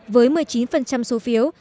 với một mươi chín số phiếu